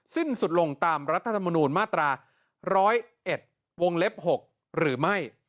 สิ้นสุดลงตามรัฐธรรมนูญมาตรา๑๐๑วงเล็บ๖หรือไม่